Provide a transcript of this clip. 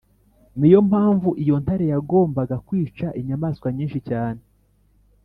ni yo mpamvu iyo ntare yagombaga kwica inyamaswa nyinshi cyane